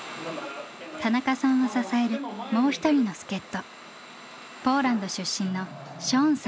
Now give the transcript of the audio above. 田中さんを支えるもう一人の助っ人。